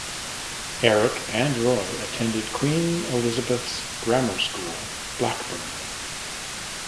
Eric and Roy attended Queen Elizabeths Grammar School, Blackburn.